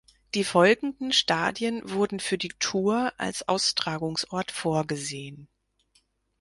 Die folgenden Stadien wurden für die Tour als Austragungsort vorgesehen.